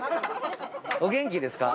お元気ですか？